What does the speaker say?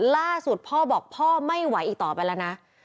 ล่าสุดพ่อบอกพ่อไม่ไหวอีกต่อไปแล้วนะ